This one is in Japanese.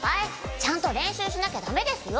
ちゃんと練習しなきゃダメですよ！」。